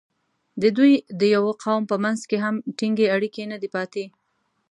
د دوی د یوه قوم په منځ کې هم ټینګ اړیکې نه دي پاتې.